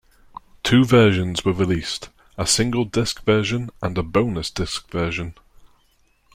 Two versions were released; a single disc version and a bonus disc version.